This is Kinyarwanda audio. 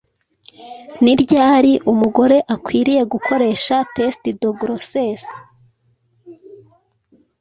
ni ryari umugore akwiriye gukoresha test de grossesse